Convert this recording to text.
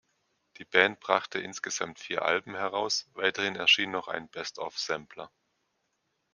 Die Band brachte insgesamt vier Alben heraus, weiterhin erschien noch ein "Best Of"-Sampler.